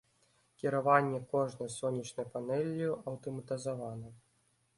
Кіраванне кожнай сонечнай панэллю аўтаматызавана.